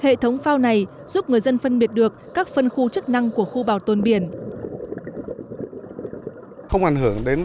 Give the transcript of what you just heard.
hệ thống phao này giúp người dân phân biệt được các phân khu chức năng của khu bảo tồn biển